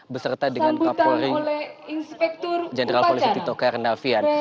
beserta dengan kapolri jenderal polisi tito karnavian